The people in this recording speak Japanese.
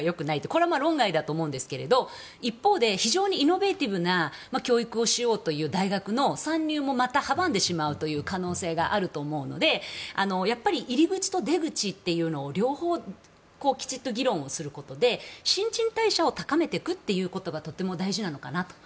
これは論外だと思うんですけど一方で非常にイノベーティブな教育をしようという大学の参入を阻んでしまう可能性もあると思うのでやっぱり入り口と出口というのを両方きちんと議論することで新陳代謝を高めていくことがとても大事なのかなと。